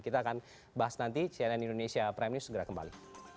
kita akan bahas nanti cnn indonesia prime news segera kembali